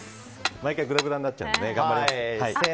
毎回ぐだぐだになっちゃうので頑張ります。